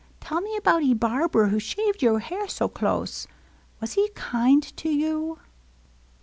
Tell me about 'e barber who shaved you hair so close, — was he kind to you